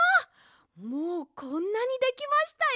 もうこんなにできましたよ。